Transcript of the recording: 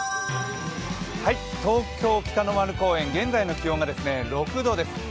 東京・北の丸公園、現在の気温が６度です。